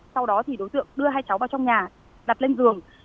sau đó thì đối tượng đưa hai cháu vào trong nhà đặt lên giường